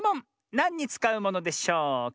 なんにつかうものでしょうか？